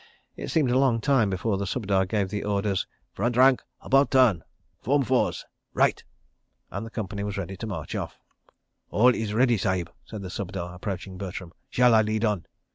It seemed a long time before the Subedar gave the orders, "Front rank—about turn. ... Form fours. ... Right," and the company was ready to march off. "All is ready, Sahib," said the Subedar, approaching Bertram. "Shall I lead on?"